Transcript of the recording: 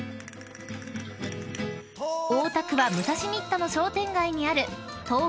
［大田区は武蔵新田の商店街にある］